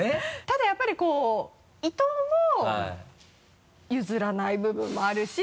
ただやっぱり伊東も譲らない部分もあるし。